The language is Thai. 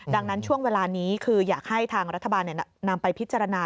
ดังนั้นช่วงเวลานี้คืออยากให้ทางรัฐบาลนำไปพิจารณา